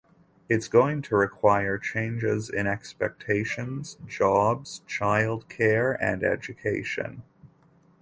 It's going to require changes in expectations, jobs, child care, and education.